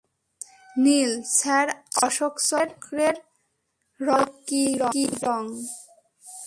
নীল, sir Ashoka চক্রের রং কালো কি রং?